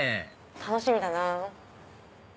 楽しみだな。